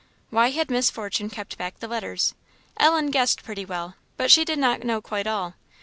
Why had Miss Fortune kept back the letters? Ellen guessed pretty well, but she did not know quite all.